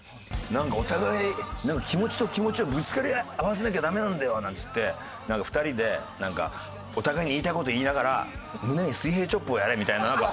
なんかお互い気持ちと気持ちをぶつかり合わせなきゃダメなんだよなんて言って２人でお互いに言いたい事言いながら胸に水平チョップをやれみたいななんか。